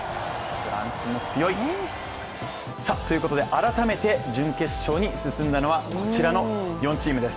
フランスも強い！ということで改めて準決勝に進んだのはこちらの４チームです。